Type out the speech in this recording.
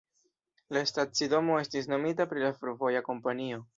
La stacidomo estis nomita pri la fervoja kompanio.